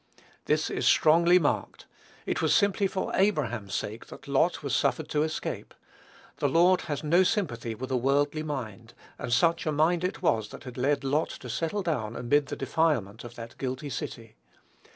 This is strongly marked. It was simply for Abraham's sake that Lot was suffered to escape: the Lord has no sympathy with a worldly mind; and such a mind it was that had led Lot to settle down amid the defilement of that guilty city.